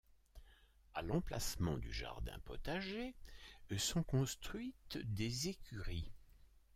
A l'emplacement du jardin potager sont construites des écuries.